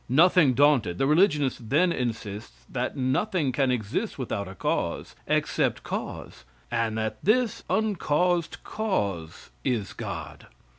Nothing daunted, the religionist then insists that nothing can exist without a cause, except cause, and that this uncaused cause is God.